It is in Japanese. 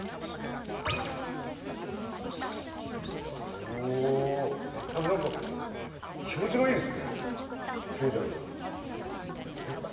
おおやっぱり何か気持ちがいいですね境内が。